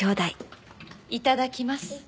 いただきます。